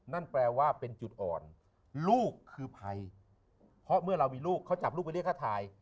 นั่นแปลว่าเป็นจุดอ่อนลูกคือภัยเพราะเมื่อเรามีลูกเขาจับลูกไปเรียกค่าถ่าย